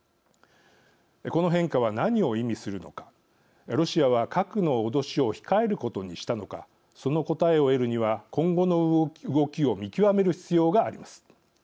この変化は何を意味するのかロシアは核の脅しを控えることにしたのかその答えを得るには今後の動きを見極める必要があります。